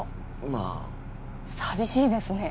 まあ寂しいですね